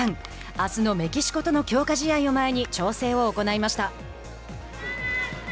あすのメキシコとの強化試合を前に調整を行いました。